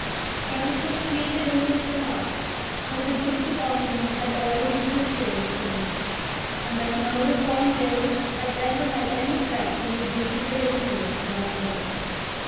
But it was pleaded on his behalf that the Dukes of Omnium had always interfered at Silverbridge, and that no Reform Bill had ever had any effect in reducing their influence in that borough.